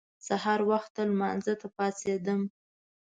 سهار وخته لمانځه ته پاڅېدم.